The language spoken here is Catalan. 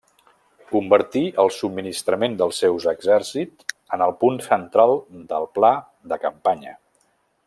Convertí el subministrament dels seus exèrcits en el punt central del pla de campanya.